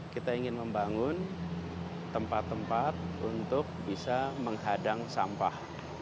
kita ingin membangun tempat tempat untuk bisa menghadang sampah